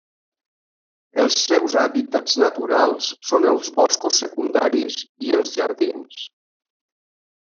Els seus hàbitats naturals són els boscos secundaris i els jardins.